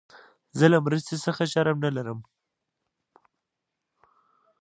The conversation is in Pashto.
زه له مرستي څخه شرم نه لرم.